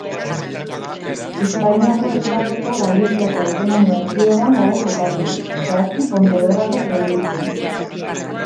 Espainiako estatuko Galiziako autonomia erkidegoan dago kokaturik, zehazki Pontevedrako probintzian.